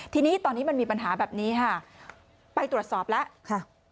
ทีนี้ตอนนี้มันมีปัญหาแบบนี้ค่ะไปตรวจสอบแล้วค่ะ